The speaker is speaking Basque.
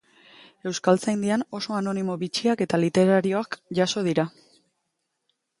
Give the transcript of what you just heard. Euskaltzaindian oso anonimo bitxiak eta literarioak jaso dira.